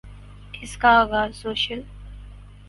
اس کا آغاز سوشل